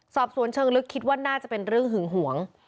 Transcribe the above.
สอบสวนเชิงลึกคิดว่าน่าจะเป็นเรื่องหึงหวง